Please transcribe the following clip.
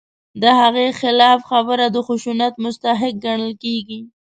د هغې خلاف خبره د خشونت مستحق ګڼل کېږي.